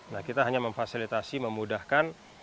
nah kita hanya memfasilitasi memudahkan